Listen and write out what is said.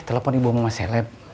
telepon ibu sama seleb